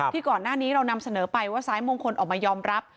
ก่อนหน้านี้เรานำเสนอไปว่าซ้ายมงคลออกมายอมรับ